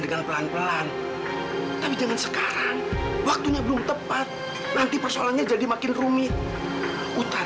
sampai jumpa di video selanjutnya